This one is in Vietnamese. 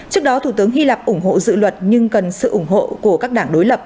trước đó thủ tướng hy lạp ủng hộ dự luật nhưng cần sự ủng hộ của các đảng đối lập